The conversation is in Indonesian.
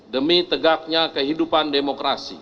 demi tegaknya kehidupan demokrasi